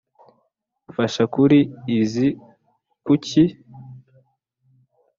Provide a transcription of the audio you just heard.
fasha kuri izi kuki.